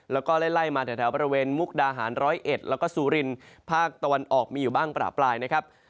แล้วก็ไล่มาแถวบริเวณมุกดาหารร้อยเอ็ดแล้วก็สุรินภาคตะวันออกมีอยู่บ้างประปรายนะครับ